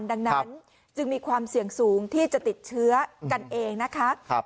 ดังนั้นจึงมีความเสี่ยงสูงที่จะติดเชื้อกันเองนะคะ